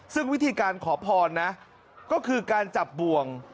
ซึ่งวิธีการขอพรนะก็คือการจับบ่วง